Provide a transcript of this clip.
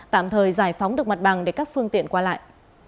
tạm thời giải phóng được mặt bằng để các phương tiện qua lại